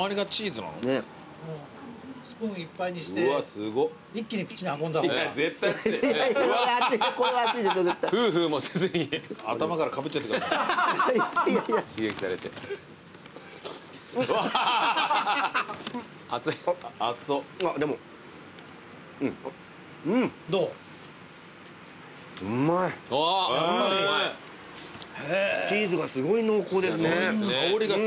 チーズがすごい濃厚です。